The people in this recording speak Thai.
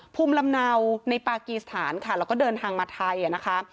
ภูมิลำเนาในปากีสถานค่ะแล้วก็เดินทางมาไทยนะคะ